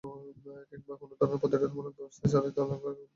কিংবা কোনো ধরনের প্রতিরোধকমূলক ব্যবস্থা ছাড়াই দালান ভাঙ্গার কাজ নিয়োজিত আছেন।